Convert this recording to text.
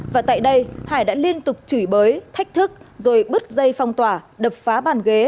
và tại đây hải đã liên tục chửi bới thách thức rồi bứt dây phong tỏa đập phá bàn ghế